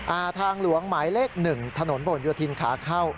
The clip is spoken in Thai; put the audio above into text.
อ่าทางหลวงหมายเล็ก๑ถนนปะหลวงอยู่ทินคาเข้า